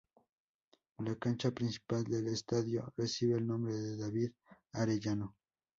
La cancha principal del estadio recibe el nombre de David Arellano.